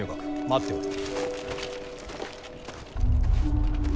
待っておれ。